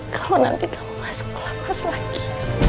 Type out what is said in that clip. kalau nanti kamu masuk kelamas lagi